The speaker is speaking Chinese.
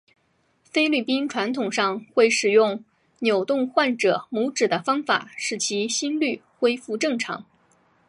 菲律宾传统上会使用扭动患者拇趾的方法使其心律恢复正常。